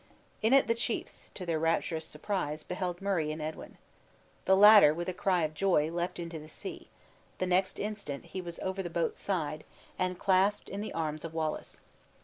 In it the chiefs, to their rapturous surprise, beheld Murray and Edwin. The latter, with a cry of joy, leaped into the sea; the next instant he was over the boat's side, and clasped in the arms of Wallace.